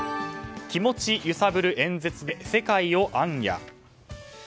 気持ち揺さぶる演説で世界を行脚。